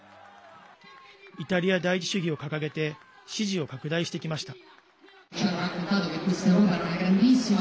イタリア第一主義を掲げて支持を拡大してきました。